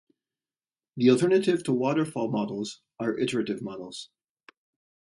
The alternative to waterfall models are iterative models.